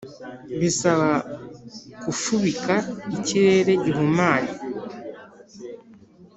bisaba kufubika ikirere gihumanye